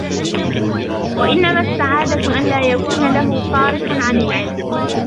وَإِنَّمَا السَّعَادَةُ أَنْ لَا يَكُونَ لَهُ صَارِفٌ عَنْ الْعِلْمِ